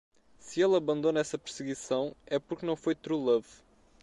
Se ele abandona essa perseguição? é porque não foi truelove...